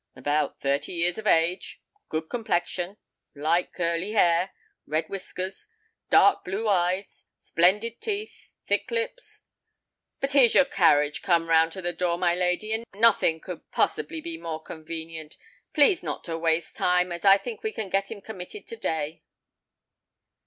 "About thirty years of age—good complexion—light curly hair—red whiskers—dark blue eyes—splendid teeth—thick lips——But here's your carriage come round to the door, my lady; and nothing could possibly be more convenient. Please not to waste time—as I think we can get him committed to day."